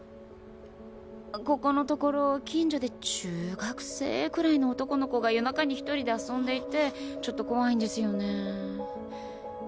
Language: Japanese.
ここのところ近所で中学生くらいの男の子が夜中に一人で遊んでいてちょっと怖いんですよね。